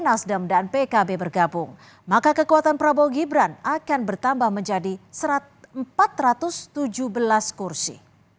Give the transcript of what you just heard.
nasdem dan pkb bergabung maka kekuatan prabowo gibran akan bertambah menjadi empat ratus tujuh belas kursi